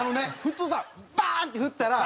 普通さバン！って振ったら。